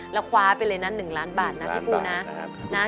แล้วคว้าไปเลยนะ๑ล้านบาทนะพี่ปูนะ